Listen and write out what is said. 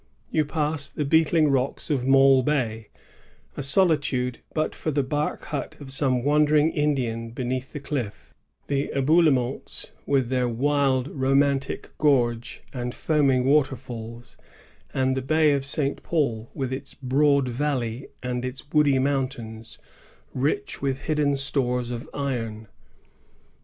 You pass the beetling rocks of Mai Bay, a solitude but for the bark hut of some wandering Indian beneath the cliff, the Eboulements with their wUd romantic goi^e and foaming waterfalls, and the Bay of St. Paul with its broad valley and its woody mountains, rich with hidden stores of iron.